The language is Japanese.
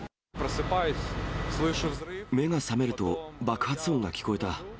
目が覚めると爆発音が聞こえた。